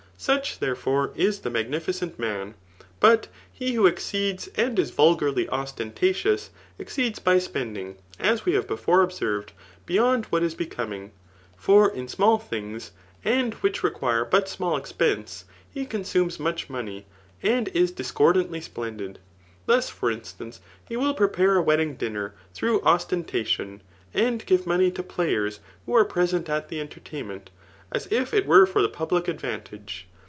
Such, therefore, is the magnificent man. But he who exceeds and is vulgarly ostentatious, exceeds by spendmg, as we have before observed, beyond what is becoming. For in nnall things, and which require but smaU expense, he consumes much money, and is discord an, tiy splendid. Thus, for instance, he will prepare a* wedding dinner through ostentation, and give money to players who are present at the entertainment, as if it were for the public advantage.